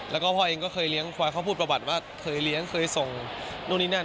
แล้วก็พ่อเองก็เคยเลี้ยงควายเขาพูดประวัติว่าเคยเลี้ยงเคยส่งนู่นนี่นั่น